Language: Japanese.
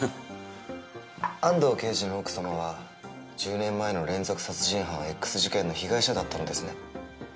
安堂刑事の奥様は１０年前の連続殺人犯Ｘ事件の被害者だったのですね。